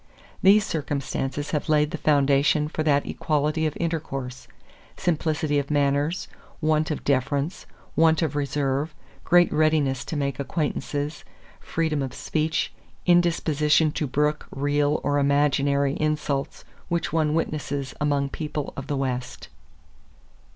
These circumstances have laid the foundation for that equality of intercourse, simplicity of manners, want of deference, want of reserve, great readiness to make acquaintances, freedom of speech, indisposition to brook real or imaginary insults which one witnesses among people of the West."